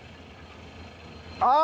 あ。